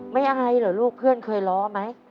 ไม่อะไรเหรอลูกเพื่อนเคยล้อไหม